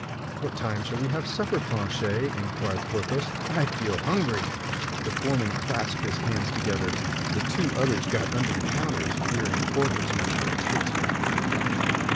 "What time shall we have supper, Planchet?" inquired Porthos, "I feel hungry." The foreman clasped his hands together. The two others got under the counters, fearing Porthos might have a taste for human flesh.